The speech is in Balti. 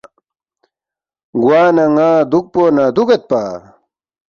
گوانہ ن٘ا دُوکپو نہ دُوگید